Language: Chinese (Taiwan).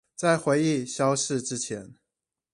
在回憶消逝之前